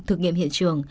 thực nghiệm hiện trường